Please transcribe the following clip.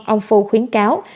ông phu khuyến cáo